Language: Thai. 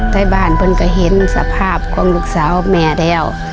ในบ้านผมก็เห็นสภาพของลูกสาวแม่แล้ว